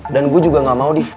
dan gue juga gak mau div